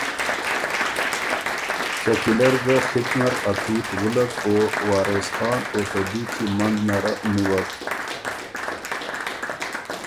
شکیلۀ ر ګۀ خِط نر ا تُوت وُلّک او وارث خان او ته دُوچی مخه نره نیوک۔